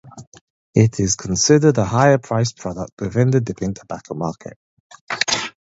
It is considered a higher-priced product within the dipping tobacco market.